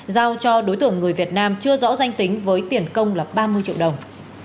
giao cho đối tượng người việt nam chưa rõ danh tính với tiền công là ba mươi triệu đồng